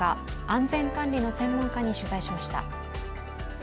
安全方の専門家に取材しました。